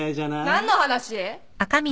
・何の話？